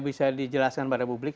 bisa dijelaskan pada publik